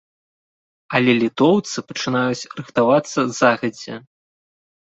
Але літоўцы пачынаюць рыхтавацца загадзя.